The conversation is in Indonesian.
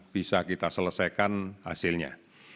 bisa kita selesaikan hasilnya